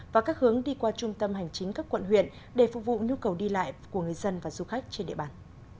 và các hướng đi qua trung tâm hành chính các quận huyện để phục vụ nhu cầu đi lại của người dân và du khách trên địa bàn